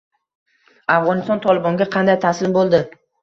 Afg‘oniston “Tolibon”ga qanday taslim bo‘ldi?